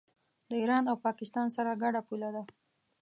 د ایران او پاکستان سره ګډه پوله ده.